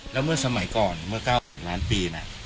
แล้วเมื่อสมัยก่อนเมื่อ๙ล้านปีนะ